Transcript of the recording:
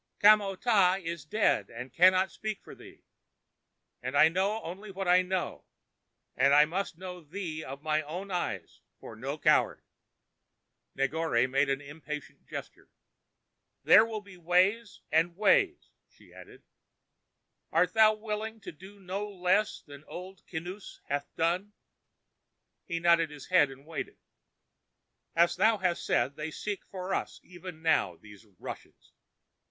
"Kamo tah is dead and cannot speak for thee, and I know only what I know, and I must know thee of my own eyes for no coward." Negore made an impatient gesture. "There be ways and ways," she added. "Art thou willing to do no less than what Old Kinoos hath done?" He nodded his head, and waited. "As thou hast said, they seek for us even now, these Russians.